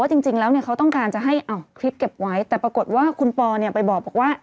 แต่พอต้องการให้คลิปเก็บไว้แต่ปรากฏว่าคุณปอไปบอกว่า